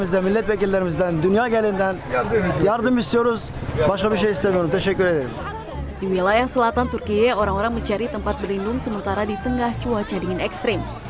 di wilayah selatan turkiye orang orang mencari tempat berlindung sementara di tengah cuaca dingin ekstrim